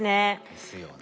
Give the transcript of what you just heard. ですよね。